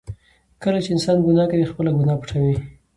کله چې انسان ګناه کوي، خپله ګناه پټوي.